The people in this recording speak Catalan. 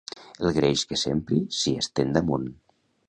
El greix que s'empri s'hi estén damunt.